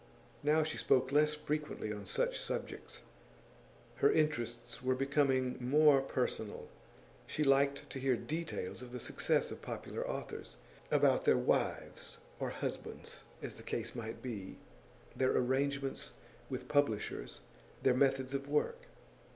Now she spoke less frequently on such subjects. Her interests were becoming more personal; she liked to hear details of the success of popular authors about their wives or husbands, as the case might be, their arrangements with publishers, their methods of work.